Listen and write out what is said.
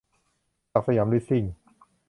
ศักดิ์สยามลิสซิ่ง